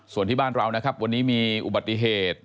ส่วนที่บ้านเรามีอุบัติเหตุ